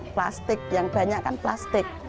plastik yang banyak kan plastik